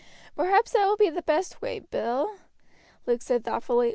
"Perhaps that will be the best way, Bill," Luke said thoughtfully.